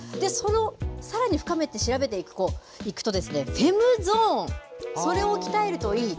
さらに深めて調べていくと、フェムゾーン、それを鍛えるといいと。